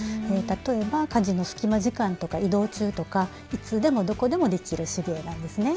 例えば家事の隙間時間とか移動中とかいつでもどこでもできる手芸なんですね。